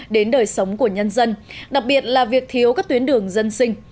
đến đời sống của nhân dân đặc biệt là việc thiếu các tuyến đường dân sinh